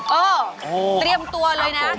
เออเตรียมตัวเลยนะ